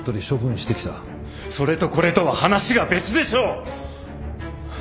それとこれとは話が別でしょう！